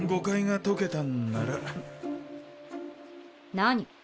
何？